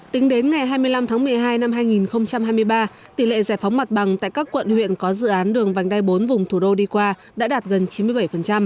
tính đến ngày hai mươi năm tháng một mươi hai năm hai nghìn hai mươi ba tỷ lệ giải phóng mặt bằng tại các quận huyện có dự án đường vành đai bốn vùng thủ đô đi qua đã đạt gần chín mươi bảy